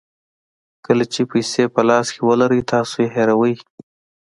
کله چې پیسې په لاس کې ولرئ تاسو هیروئ.